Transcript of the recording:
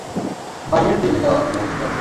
বাইয়ের জেলে যাওয়ার পুরো ঝুঁকি আছে।